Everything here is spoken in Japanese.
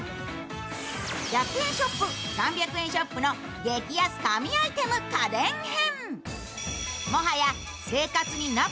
１００円ショップ、３００円ショップの激安神アイテム家電編。